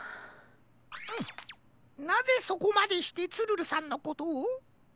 なぜそこまでしてツルルさんのことを？